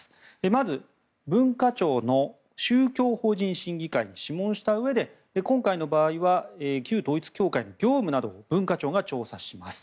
まず、文化庁の宗教法人審議会に諮問したうえで今回の場合は旧統一教会の業務などを文化庁が調査します。